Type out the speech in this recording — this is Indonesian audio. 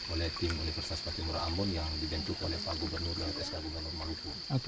oleh tim universitas patimura ambon yang dibentuk oleh pak gubernur dan sk gubernur maluku